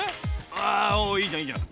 あおおいいじゃんいいじゃん。